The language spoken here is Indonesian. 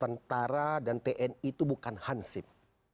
tentara dan tni itu bukan hansip